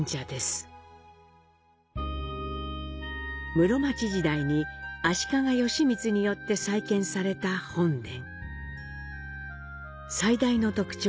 室町時代に足利義満によって再建された本殿。